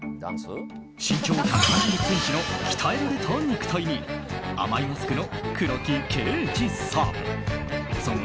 身長１８０ｃｍの鍛えられた肉体に甘いマスクの黒木啓司さん。